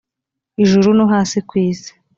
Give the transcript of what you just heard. ijuru no hasi ku isi